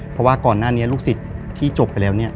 เพราะว่าก่อนหน้านี้ลูกศิษย์ที่จบไปแล้วเนี่ย